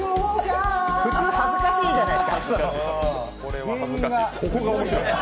普通恥ずかしいじゃないですか。